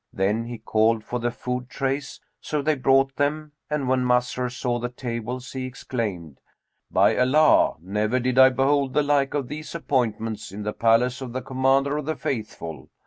Then he called for the food trays; so they brought them, and when Masrur saw the tables, he exclaimed, "By Allah, never did I behold the like of these appointments in the palace of the Commander of the Faithful!"